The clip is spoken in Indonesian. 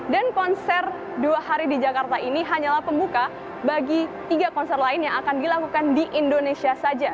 dan konser dua hari di jakarta ini hanyalah pembuka bagi tiga konser lain yang akan dilakukan di indonesia saja